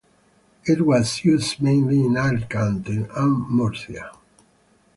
It was used mainly in Alicante and Murcia.